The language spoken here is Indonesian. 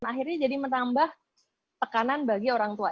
akhirnya jadi menambah tekanan bagi orang tua